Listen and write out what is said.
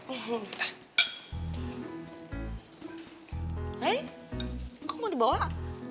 eh kok mau dibawa